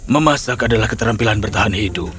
memasak adalah keterampilan bertahan hidup